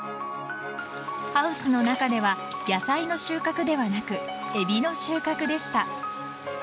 ハウスの中では野菜の収穫ではなくエビの収穫でした。